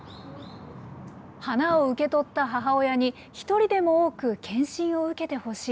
花を受け取った母親に、一人でも多く検診を受けてほしい。